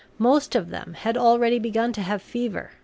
Most of them had already begun to have fever.